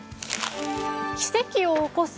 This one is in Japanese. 奇跡を起こす？